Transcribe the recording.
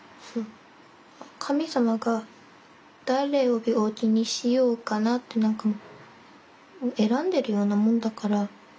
神さまが「だれを病気にしようかな」って選んでるようなもんだから。